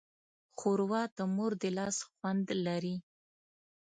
ښوروا د مور د لاس خوند لري.